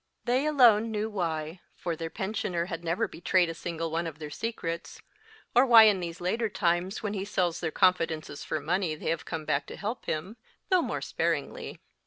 They alone know why for their pensioner had never betrayed a single one of their secrets or why in these later times, when he sells their confidences for money, they have come back to help him, though more sparingly.